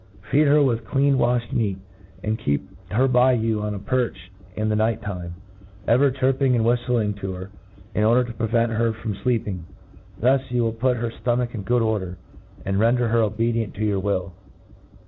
Feed her with clean waihed meat ; and keep her by you on a perch in the night time, ever chirping and whiftling to her, in order to prevent her from fleeping. Thus you will put her ftomach in good order^ and ren der her obedient to your will.